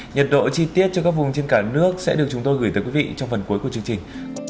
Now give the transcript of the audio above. nhiệt độ chi tiết cho các vùng trên cả nước sẽ được chúng tôi gửi tới quý vị trong phần cuối của chương trình